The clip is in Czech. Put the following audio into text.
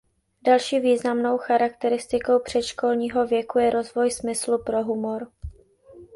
Další významnou charakteristikou předškolního věku je rozvoj smyslu pro humor.